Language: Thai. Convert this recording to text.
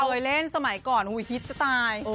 เคยเล่นสมัยก่อนอุ๊ยฮิตจะตาย